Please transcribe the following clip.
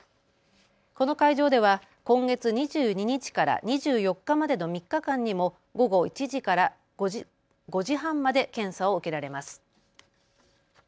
この会場では今月２２日から２４日までの３日間にも午後１時から５時半まで検査を受けられます。